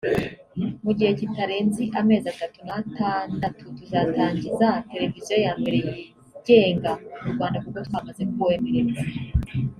Mu gihe kitarenzi amezi atatu n’atandatu tuzatangiza televiziyo ya mbere yigenga mu Rwanda kuko twamaze kwemererwa